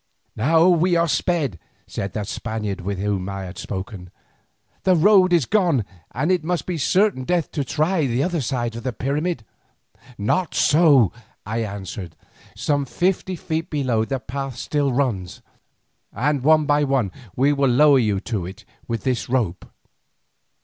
"Now we are sped," said the Spaniard with whom I had spoken; "the road is gone, and it must be certain death to try the side of the pyramid." "Not so," I answered; "some fifty feet below the path still runs, and one by one we will lower you to it with this rope."